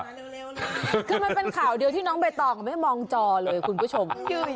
คือมันเป็นข่าวเดียวที่น้องใบตองไม่มองจอเลยคุณผู้ชม